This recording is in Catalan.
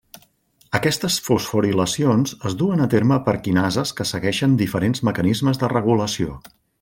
Aquestes fosforilacions es duen a terme per quinases que segueixen diferents mecanismes de regulació.